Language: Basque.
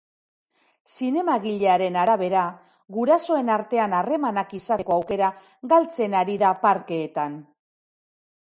Zinemagilearen arabera, gurasoen artean harremanak izateko aukera galtzen ari da parkeetan.